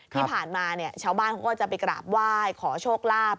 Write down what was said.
ที่ผ่านมาเนี่ยชาวบ้านเขาก็จะไปกราบไหว้ขอโชคลาภ